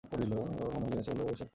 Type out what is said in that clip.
ওর মন ভেঙে গেছে বলে ও এসব কথা বলেছে।